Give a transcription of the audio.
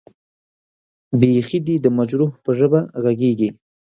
بېخي دې د مجروح به ژبه غږېږې.